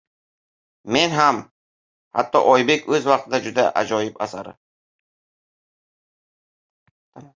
— Men ham. Hatto Oybek o‘z vaqtida juda ajoyib asari